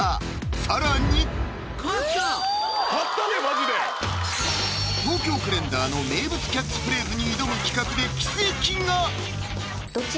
更に勝ったでマジで「東京カレンダー」の名物キャッチフレーズに挑む企画で奇跡が！